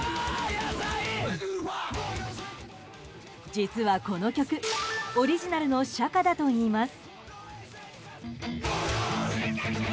実はこの曲オリジナルの社歌だといいます。